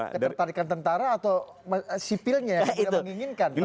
ketertarikan tentara atau sipilnya yang tidak menginginkan